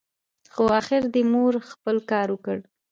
خو اخر دي مور خپل کار وکړ !